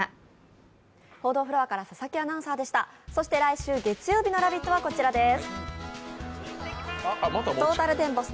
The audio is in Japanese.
来週月曜日の「ラヴィット！」はこちらです。